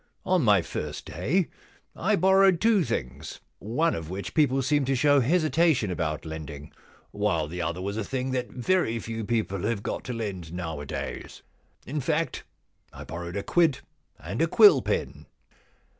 On my first day I borrowed two things — one of which people seem to show hesitation about lending, while the other was a thing that very few people have got to lend nowadays. In fact, I borrowed a quid and a quill pen.'